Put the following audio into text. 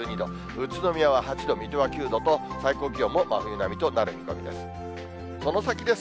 宇都宮は８度、水戸は９度と、最高気温も真冬並みとなる見込みです。